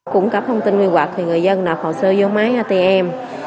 cung cấp thông tin quy hoạch thì người dân đọc hồ sơ vô máy atm